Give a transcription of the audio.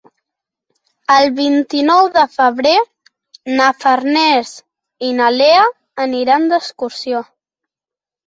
El vint-i-nou de febrer na Farners i na Lea aniran d'excursió.